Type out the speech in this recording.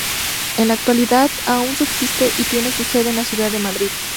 En la actualidad aún subsiste y tiene su sede en la ciudad de Madrid.